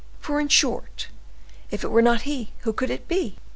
For, in short, if it were not he, who could it be?